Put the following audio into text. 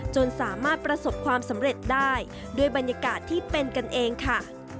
จนสามารถประสบความสำเร็จได้ด้วยบรรยากาศที่เป็นกันเองค่ะ